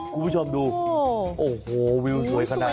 คุณผู้ชมดูโอ้โหวิวสวยขนาด